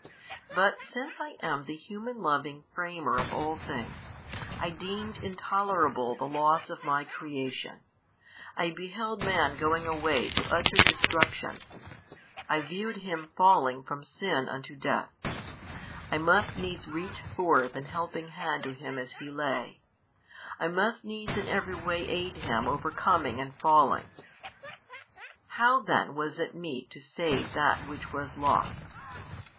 But since I am the human loving Framer of all things, I deemed intolerable the loss of My creation, I beheld man going away to utter destruction, I viewed him falling from sin unto death, I must needs reach forth an helping Hand to him as he lay, I must needs in every way aid him overcome and falling. How then was it meet to save that which was lost?